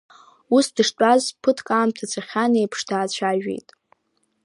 Ус дыштәаз, ԥыҭк аамҭа цахьан еиԥш даацәажәеит…